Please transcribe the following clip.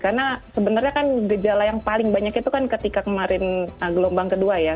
karena sebenarnya kan gejala yang paling banyak itu kan ketika kemarin gelombang kedua ya